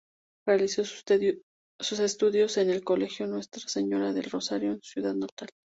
Realizó sus estudios en el Colegio Nuestra Señora del Rosario en su ciudad natal.